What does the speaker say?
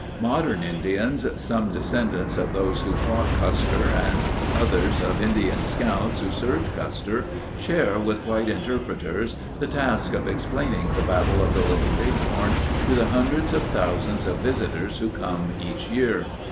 Modern Indians, some descendants of those who fought Custer and others of Indian scouts who served Custer, share with white interpreters the task of explaining the Battle of the Little Bighorn to the hundreds of thousands of visitors who come each year.